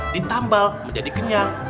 ditambal menjadi kenyang